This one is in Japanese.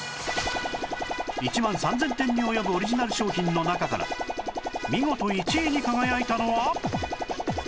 １万３０００点に及ぶオリジナル商品の中から見事１位に輝いたのは